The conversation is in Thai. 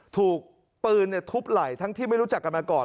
ถูกปืนทุบไหล่ทั้งที่ไม่รู้จักกันมาก่อน